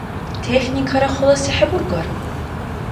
Техникара халаси хӀебургар?